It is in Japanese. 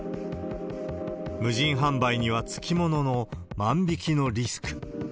無人販売には付き物の万引きのリスク。